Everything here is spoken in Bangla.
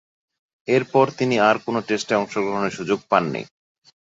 এরপর তিনি আর কোন টেস্টে অংশগ্রহণের সুযোগ পাননি।